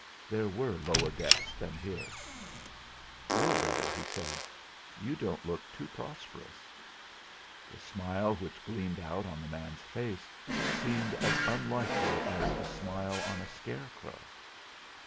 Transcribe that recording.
There were lower depths than his! "Well, brother," he said, "you don't look too prosperous!" The smile which gleamed out on the man's face seemed as unlikely as a smile on a scarecrow.